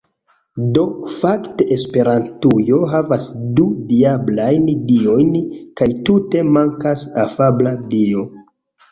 Do fakte esperantujo havas du diablajn diojn kaj tute mankas afabla dio